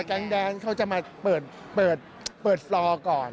แก๊งแดนเขาจะมาเปิดฟลอก่อน